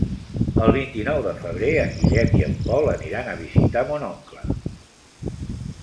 El vint-i-nou de febrer en Guillem i en Pol aniran a visitar mon oncle.